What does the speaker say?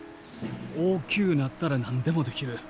大きゅうなったら何でもできる。